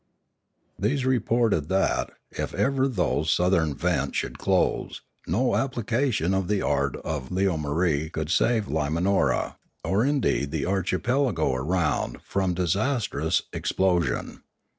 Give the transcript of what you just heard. These reported that, if ever those southern vents A Warning 635 should close, no application of the art of Leomarie could save Limanora, or indeed the archipelago around, from disastrous explosion.